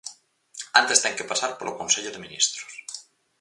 Antes ten que pasar polo Consello de Ministros.